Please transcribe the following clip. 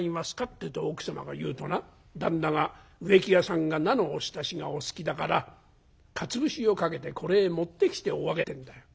って奥様が言うとな旦那が『植木屋さんが菜のおひたしがお好きだからかつ節をかけてこれへ持ってきておあげ』ってんだよ。